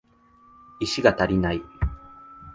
石が足りない